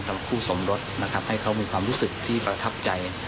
คู่สมรสนะครับให้เขามีความรู้สึกที่ประทับใจ